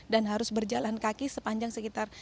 dan harus berjalan kaki sepanjang sekitar